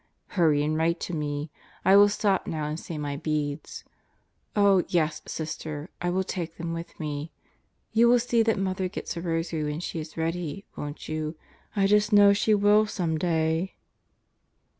Hurry and write to me. I will stop now and say my beads. Oh yes, Sister, I will take them with me. You will see that Mother gets a rosary when she is ready, won't you? I just know she will be some day.